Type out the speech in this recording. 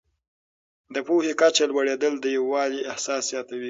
د پوهې کچه لوړېدل د یووالي احساس زیاتوي.